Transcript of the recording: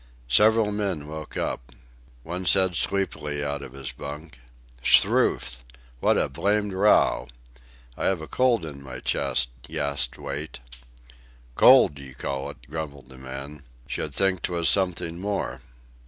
Several men woke up. One said sleepily out of his bunk: "'Struth! what a blamed row!" "I have a cold on my chest," gasped Wait. "Cold! you call it," grumbled the man; "should think 'twas something more...."